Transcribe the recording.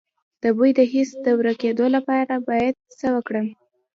د بوی د حس د ورکیدو لپاره باید څه وکړم؟